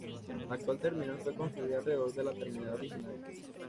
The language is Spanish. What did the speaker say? La actual terminal fue construida alrededor de la terminal originaria.